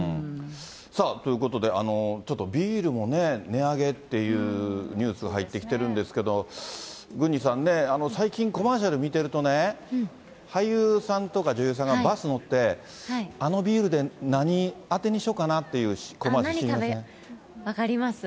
さあ、ということで、ちょっとビールもね、値上げっていうニュースが入ってきてるんですけど、郡司さんね、最近、コマーシャル見てるとね、俳優さんとか女優さんがバス乗って、あのビールで何あてにしようかなっていうコマーシャル知りません？